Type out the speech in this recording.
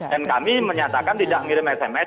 dan kami menyatakan tidak mengirim sms